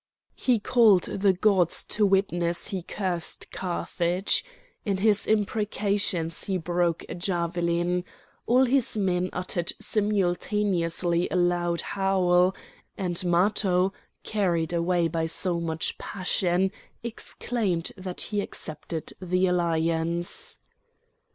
He called the gods to witness he cursed Carthage. In his imprecations he broke a javelin. All his men uttered simultaneously a loud howl, and Matho, carried away by so much passion, exclaimed that he accepted the alliance.